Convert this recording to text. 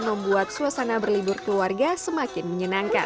membuat suasana berlibur keluarga semakin menyenangkan